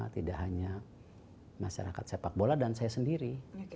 tidak hanya masyarakat sepak bola dan saya sendiri